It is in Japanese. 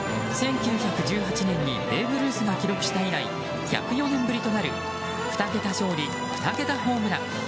１９１８年にベーブ・ルースが記録した以来１０４年ぶりとなる２桁勝利２桁ホームラン。